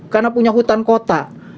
karena punya hutan kota